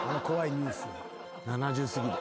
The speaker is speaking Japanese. ７０すぎで。